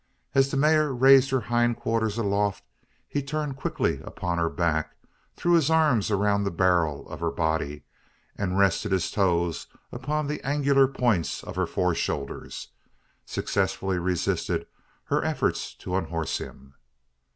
As the mare raised her hind quarters aloft, he turned quickly upon her back, threw his arms around the barrel of her body, and resting his toes upon the angular points of her fore shoulders, successfully resisted her efforts to unhorse him.